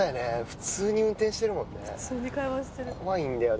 普通に運転してるもんね怖いんだよ